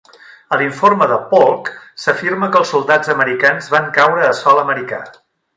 A l'informe de Polk, s'afirma que els soldats americans van caure a sòl americà.